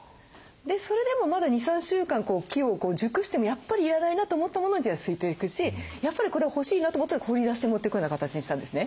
それでもまだ２３週間機を熟してもやっぱり要らないなと思ったモノは捨てていくしやっぱりこれ欲しいなと思ったら取り出して持っていくような形にしたんですね。